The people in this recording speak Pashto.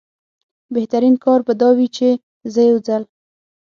بهترین کار به دا وي چې زه یو ځل.